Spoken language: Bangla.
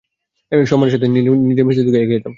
সম্মানের সাথে নিজের নিশ্চিত মৃত্যুর দিকে এগিয়ে যাও।